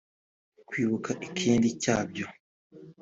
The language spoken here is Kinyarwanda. Kwibuka ikindi cyabyo